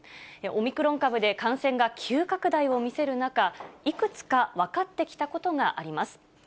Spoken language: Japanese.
オミクロン株で感染が急拡大を見せる中、いくつか分かってきたことがあります。